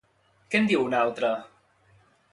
Què en diu un altre?